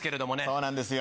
そうなんですよ。